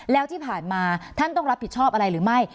แล้วที่ผ่านมาท่านต้องรับผิดชอบอะไรหรือไม่